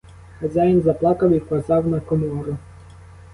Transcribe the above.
Хазяїн заплакав і вказав на комору.